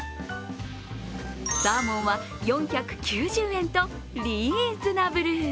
サーモンは４９０円と、リーズナブル。